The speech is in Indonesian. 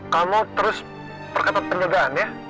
kamu terus perketat penjagaan ya